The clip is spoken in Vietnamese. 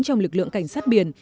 trong lực lượng cảnh sát biển